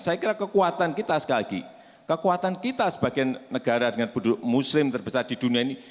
saya kira kekuatan kita sekali lagi kekuatan kita sebagai negara dengan penduduk muslim terbesar di dunia ini